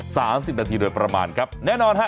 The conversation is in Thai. สามสิบนาทีโดยประมาณครับแน่นอนฮะ